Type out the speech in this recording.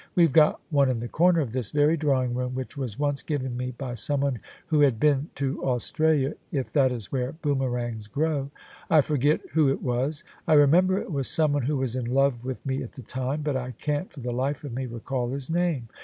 We've got one in the corner of this very drawing room, which was once given me by someone who had been to Australia (if that is where boomerangs grow) : I forget who It was. I remember it was someone who was in love with me at the time, but I can't for the life of me recall his name.